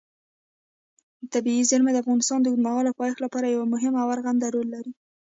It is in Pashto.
طبیعي زیرمې د افغانستان د اوږدمهاله پایښت لپاره یو مهم او رغنده رول لري.